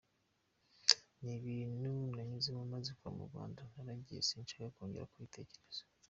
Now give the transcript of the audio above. Ni ibintu nanyuzemo maze kuva mu Rwanda naragiye sinshake kongera kubitekereza.